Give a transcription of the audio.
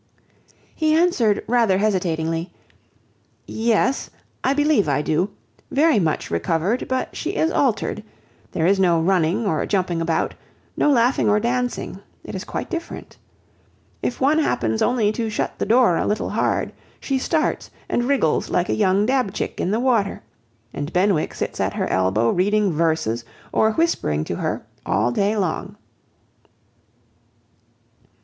He answered rather hesitatingly, "Yes, I believe I do; very much recovered; but she is altered; there is no running or jumping about, no laughing or dancing; it is quite different. If one happens only to shut the door a little hard, she starts and wriggles like a young dab chick in the water; and Benwick sits at her elbow, reading verses, or whispering to her, all day long."